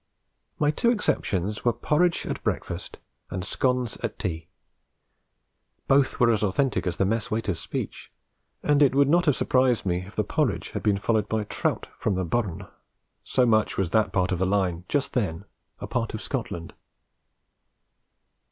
My two exceptions were porridge at breakfast and scones at tea; both were as authentic as the mess waiter's speech; and it would not have surprised me if the porridge had been followed by trout from the burn, so much was that part of the Line just then a part of Scotland.